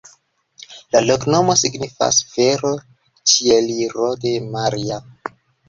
La loknomo signifas: fero-Ĉieliro de Maria.